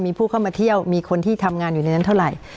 มีผู้เข้ามาเที่ยวมีคนที่ทำงานอยู่ในนั้นเท่าไหร่